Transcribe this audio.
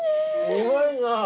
うまいな！